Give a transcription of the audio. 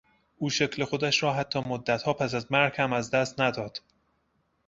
او شکل خودش را حتی مدتها پس از مرگ هم از دست نداد.